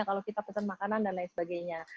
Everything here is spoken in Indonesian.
kalau kita pesen makanan dan lain sebagainya